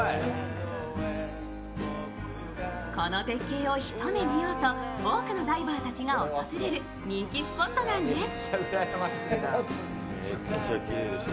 この絶景を一目見ようと多くのダイバーたちが訪れる人気スポットなんです。